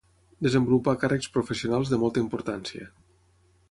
Desenvolupà càrrecs professionals de molta importància.